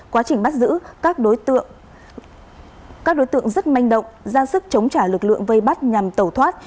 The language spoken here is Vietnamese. quá trình bắt giữ các đối tượng rất manh động ra sức chống trả lực lượng vây bắt nhằm tẩu thoát